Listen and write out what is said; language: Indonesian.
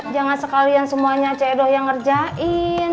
jangan sekalian semuanya cek edo yang ngerjain